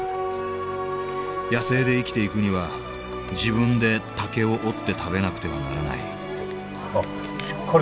野生で生きていくには自分で竹を折って食べなくてはならないあっ